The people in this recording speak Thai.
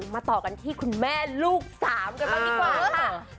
มาต่อกันที่คุณแม่ลูกสามกันบ้างดีกว่าค่ะ